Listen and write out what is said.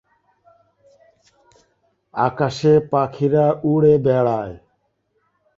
এছাড়া তারা বিভিন্ন ক্ষেত্রে তদন্ত ও প্রাণী উদ্ধারের কাজও করে থাকে।